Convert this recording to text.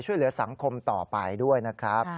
ช่วยเหลือสังคมต่อไปด้วยนะครับ